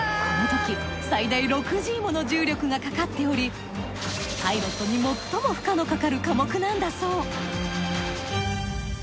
このとき最大６Ｇもの重力がかかっておりパイロットに最も負荷のかかる課目なんだそう。